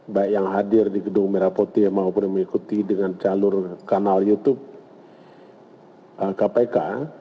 baik yang hadir di gedung merah putih maupun yang mengikuti dengan jalur kanal youtube kpk